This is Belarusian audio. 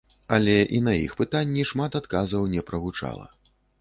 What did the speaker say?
Але і на іх пытанні шмат адказаў не прагучала.